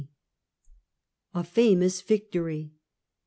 A FAMOUS VICTORY.